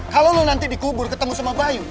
kalau lo nanti dikubur ketemu sama bayu